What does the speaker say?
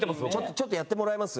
ちょっとやってもらえます？